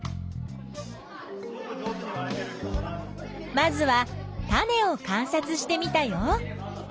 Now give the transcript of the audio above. まずは種を観察してみたよ。